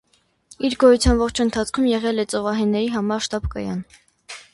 Իր գոյության ողջ ընթացքում եղել է ծովահենների համար շտաբ կայան։